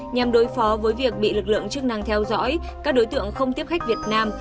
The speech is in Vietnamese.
nhằm đối phó với việc bị lực lượng chức năng theo dõi các đối tượng không tiếp khách việt nam